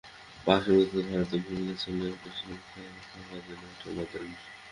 বাংলাদেশের মুক্তিযুদ্ধে ভারতের ভূমিকা ছিল এটা স্বীকার করা যেন একটি লজ্জার বিষয়।